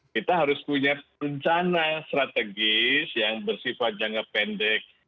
kita harus punya rencana strategis yang bersifat jangka pendek